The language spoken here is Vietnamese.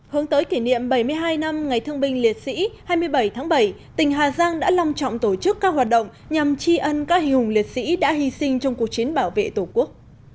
hướng tới kỷ niệm bảy mươi hai năm ngày thương binh liệt sĩ hai mươi bảy tháng bảy tỉnh hà giang đã long trọng tổ chức các hoạt động nhằm tri ân các hình hùng liệt sĩ đã hy sinh trong cuộc chiến bảo vệ tổ quốc